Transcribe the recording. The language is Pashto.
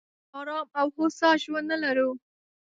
موږ ارام او هوسا ژوند نه لرو.